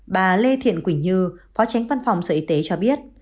bà lê thiện quỳnh như phó tránh văn phòng sở y tế cho biết